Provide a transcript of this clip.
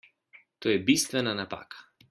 To je bistvena napaka.